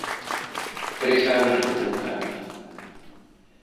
Tres anos de contrato.